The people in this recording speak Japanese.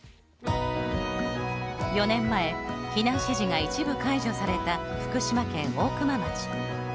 ４年前、避難指示が一部解除された福島県大熊町。